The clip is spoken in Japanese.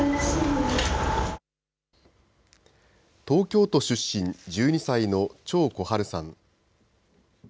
東京都出身１２歳の張心治さん。